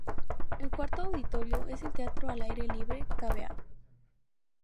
El cuarto auditorio es el teatro al aire libre "Cavea".